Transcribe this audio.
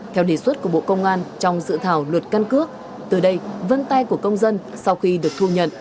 theo đề xuất của bộ công an trong dự thảo luật căn cước từ đây vân tay của công dân sau khi được thu nhận